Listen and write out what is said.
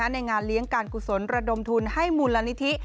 ในงานเลี้ยงการกุศลระดมทุนให้มูลนิธิ